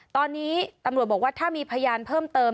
ตอนนี้ตำรวจบอกว่าถ้ามีพยานเพิ่มเติม